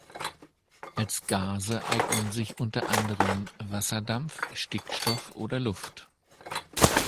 Als Gase eignen sich unter anderem Wasserdampf, Stickstoff oder Luft.